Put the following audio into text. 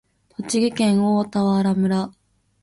栃木県大田原市